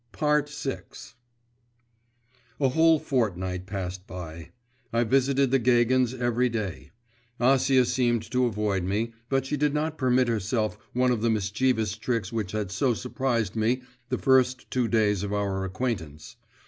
VI A whole fortnight passed by. I visited the Gagins every day. Acia seemed to avoid me, but she did not permit herself one of the mischievous tricks which had so surprised me the first two days of our acquaintance.